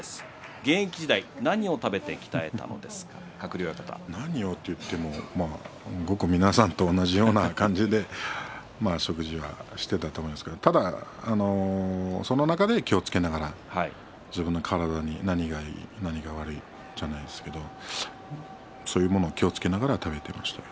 現役時代に何を食べてごく皆さんと同じような感じで食事をしていたと思うんですがただその中で気をつけながら自分の体に、何がいい何が悪いそういうのを気をつけながら食べていましたね。